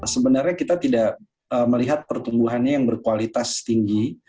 sebenarnya kita tidak melihat pertumbuhannya yang berkualitas tinggi